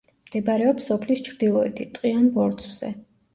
მდებარეობს სოფლის ჩრდილოეთით, ტყიან ბორცვზე.